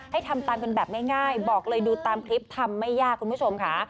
ทำตามกันแบบง่ายบอกเลยดูตามคลิปทำไม่ยากคุณผู้ชมค่ะ